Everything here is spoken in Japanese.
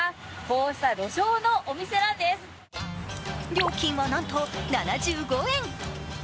料金は、なんと７５円。